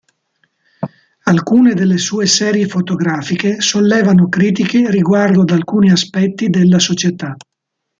Alcune delle sue serie fotografiche sollevano critiche riguardo ad alcuni aspetti della società.